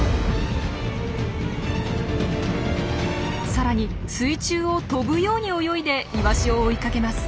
さらに水中を飛ぶように泳いでイワシを追いかけます。